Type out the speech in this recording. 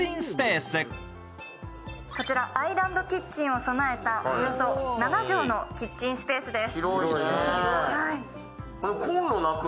こちら、アイランドキッチンを備えたおよそ７畳のキッチンスペースです。